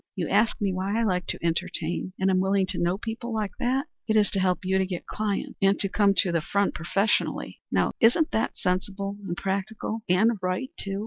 You ask me why I like to entertain and am willing to know people like that. It is to help you to get clients and to come to the front professionally. Now isn't that sensible and practical and right, too?"